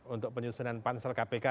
untuk penyusunan pansel kpk